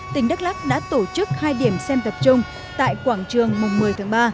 tỉnh đắk lắc đã tổ chức hai điểm xem tập trung tại quảng trường mùng một mươi tháng ba